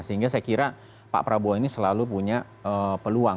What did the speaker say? sehingga saya kira pak prabowo ini selalu punya peluang